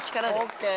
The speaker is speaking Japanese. ＯＫ！